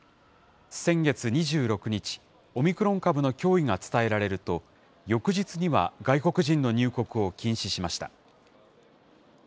先月２６日、オミクロン株の脅威が伝えられると、翌日には、外国人の入国を禁止しました。